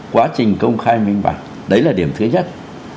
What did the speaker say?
quá trình công khai minh bạch đấy là điểm thứ nhất